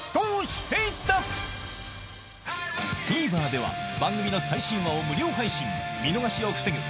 ＴＶｅｒでは番組の最新話を無料配信見逃しを防ぐ